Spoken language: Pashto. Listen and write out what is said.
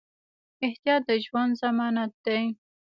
احتیاط د ژوند ضمانت دی.